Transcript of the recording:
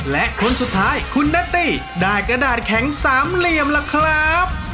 และคนสุดท้ายคุณนาตตี้ได้กระดาษแข็งสามเหลี่ยมล่ะครับ